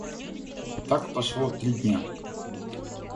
Так прошло три дня.